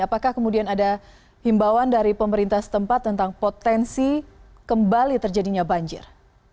apakah kemudian ada himbauan dari pemerintah setempat tentang potensi kembali terjadinya banjir